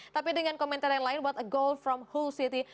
tapi dengan komentar yang lain what a gold from hold city